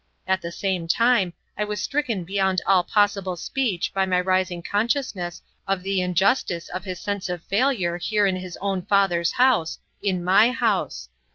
At the same time I was stricken beyond all possible speech by my rising consciousness of the injustice of his sense of failure here in his own father's house, in my house.